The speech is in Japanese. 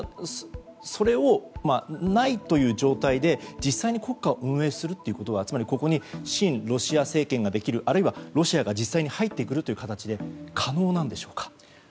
それを、ないという状態で実際に国家を運営するということここに親ロシア政権ができるあるいはロシアが実際に入ってくるという形は可能なんでしょうか？